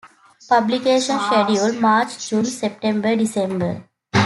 Publication schedule March, June, September, December.